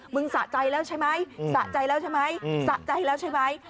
สะใจแล้วใช่ไหมสะใจแล้วใช่ไหมสะใจแล้วใช่ไหม